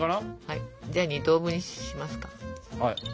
はいじゃあ２等分にしますか。